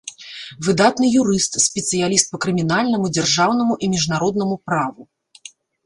Выдатны юрыст, спецыяліст па крымінальнаму, дзяржаўнаму і міжнароднаму праву.